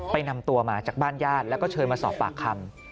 นำตัวมาจากบ้านญาติแล้วก็เชิญมาสอบปากคำ